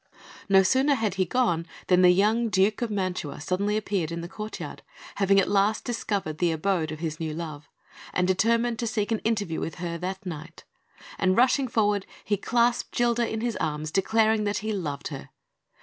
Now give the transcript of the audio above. No sooner had he gone than the young Duke of Mantua suddenly appeared in the courtyard, having at last discovered the abode of his new love, and determined to seek an interview with her that night; and rushing forward, he clasped Gilda in his arms, declaring that he loved her.